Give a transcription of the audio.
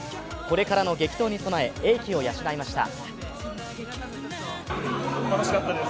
これからの激闘に備え英気を養いました。